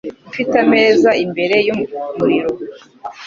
Ufite ameza imbere yumuriro?